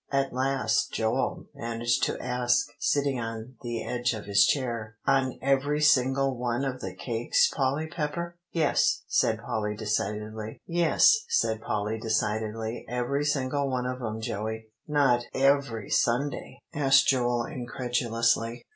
At last Joel managed to ask, sitting on the edge of his chair, "On every single one of the cakes, Polly Pepper?" "Yes," said Polly decidedly; "every single one of 'em Joey." "Not every Sunday?" asked Joel incredulously.